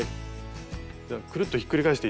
じゃあくるっとひっくり返して頂いて。